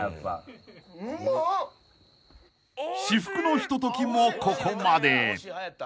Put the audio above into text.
［至福のひとときもここまで］